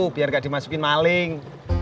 biar gak dimasukin maling